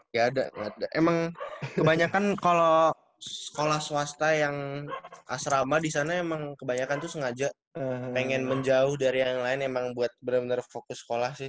gak ada emang kebanyakan kalau sekolah swasta yang asrama di sana emang kebanyakan tuh sengaja pengen menjauh dari yang lain emang buat bener bener fokus sekolah sih